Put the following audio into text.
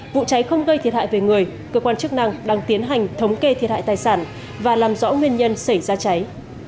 vụ cháy không gây thiệt hại về người cơ quan chức năng đang tiến hành thống kê thiệt hại tài sản và làm rõ nguyên nhân xảy ra cháy